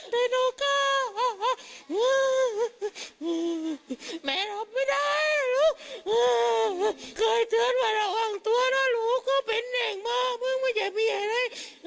ไม่ได้ตัวเหลือตัวหลวงตัวนะลูกก็เป็นอย่างมากมึงไม่ใช่มีอย่างไร